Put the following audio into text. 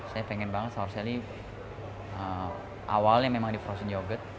saya pengen banget sourcelli awalnya memang di frozen yogurt